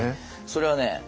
それはね